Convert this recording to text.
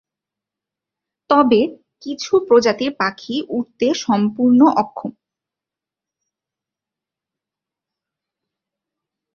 তবে কিছু প্রজাতির পাখি উড়তে সম্পূর্ণ অক্ষম।